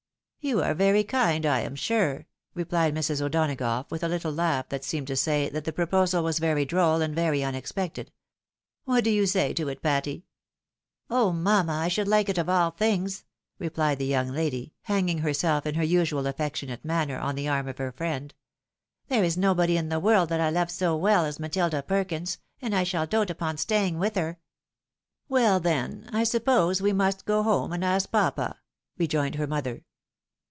" You are very kind, I am sure," replied Mrs. O'Donagough, with a little laugh that seemed to say that the proposal was very droll and very unexpected. " What do you say to it, Patty ?"" Oh, mamma, I should like it of all things !" replied the young lady, hanging herseK in her usual affectionate manner on the arm of her friend. " There is nobody in the world that I love so well as Matilda Perkins, and I shall dote upon staying with her." ," Well, then, I suppose we must go home and ask papa," rejoined her mother.